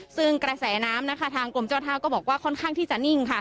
ซึ่งกระแสน้ำนะคะทางกรมเจ้าท่าก็บอกว่าค่อนข้างที่จะนิ่งค่ะ